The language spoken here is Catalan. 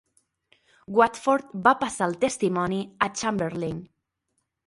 Watford va passar el testimoni a Chamberlain.